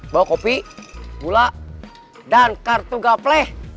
bawa kopi gula dan kartu gaple